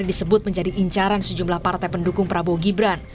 disebut menjadi incaran sejumlah partai pendukung prabowo gibran